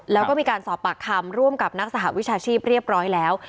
แล้วก็มีการสอบปากคำร่วมกับนักสหวิชาชีพเรียบร้อยแล้ว